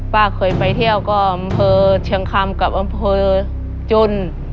ป้าเคยไปเที่ยวก็อำเภอเชียงคำกับอำเภอจุน